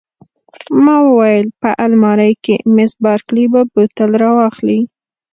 ما وویل: په المارۍ کې، مس بارکلي به بوتل را واخلي.